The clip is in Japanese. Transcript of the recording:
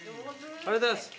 ありがとうございます。